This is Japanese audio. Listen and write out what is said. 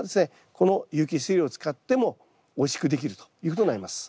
この有機質肥料を使ってもおいしくできるということになります。